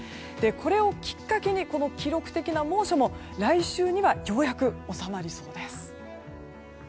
これをきっかけにこの記録的な猛暑も来週にはようやく収まりそうです。